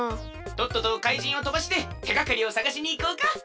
とっととかいじんをとばしててがかりをさがしにいこうか！